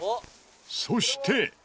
そして。